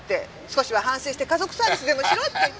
少しは反省して家族サービスでもしろって。